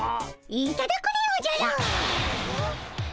いただくでおじゃる！